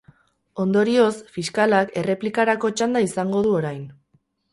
Ondorioz, fiskalak erreplikarako txanda izango du orain.